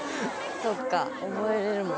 そっか覚えれるもんね。